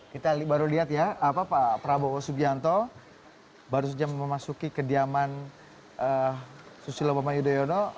kita baru lihat ya pak prabowo subianto baru saja memasuki kediaman susilo bambang yudhoyono